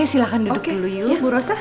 silahkan duduk dulu yuk bu rosa